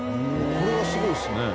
これはすごいですね。